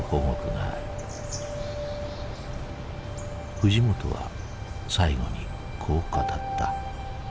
藤本は最後にこう語った。